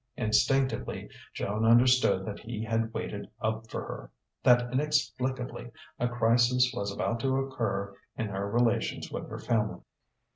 Instinctively Joan understood that he had waited up for her, that inexplicably a crisis was about to occur in her relations with her family.